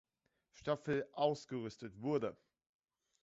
Staffel ausgerüstet wurde.